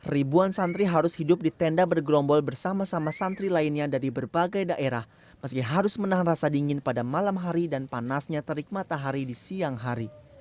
ribuan santri harus hidup di tenda bergerombol bersama sama santri lainnya dari berbagai daerah meski harus menahan rasa dingin pada malam hari dan panasnya terik matahari di siang hari